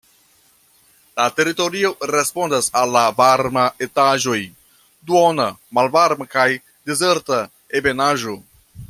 La teritorio respondas al la varma etaĝoj, duona, malvarma kaj dezerta ebenaĵo.